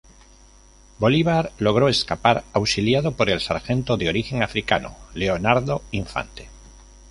Bolívar logró escapar auxiliado por el Sargento, de origen africano, Leonardo Infante.